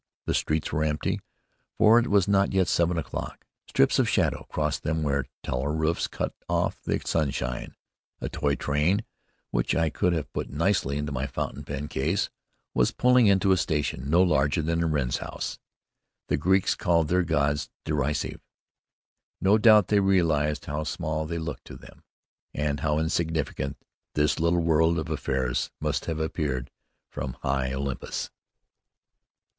The streets were empty, for it was not yet seven o'clock. Strips of shadow crossed them where taller roofs cut off the sunshine. A toy train, which I could have put nicely into my fountain pen case, was pulling into a station no larger than a wren's house. The Greeks called their gods "derisive." No doubt they realized how small they looked to them, and how insignificant this little world of affairs must have appeared from high Olympus.